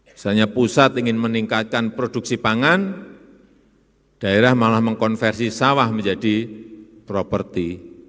misalnya pusat ingin meningkatkan produksi pangan daerah malah mengkonversi sawah menjadi properti